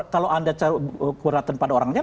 kalau anda keberatan pada orangnya